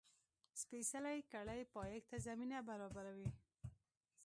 سپېڅلې کړۍ پایښت ته زمینه برابروي.